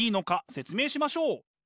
説明しましょう！